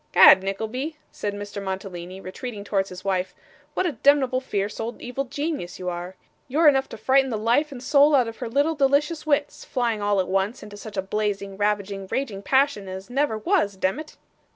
''Gad, Nickleby,' said Mr. Mantalini, retreating towards his wife, 'what a demneble fierce old evil genius you are! You're enough to frighten the life and soul out of her little delicious wits flying all at once into such a blazing, ravaging, raging passion as never was, demmit!